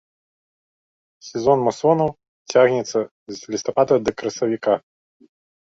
Сезон мусонаў цягнецца з лістапада да красавіка.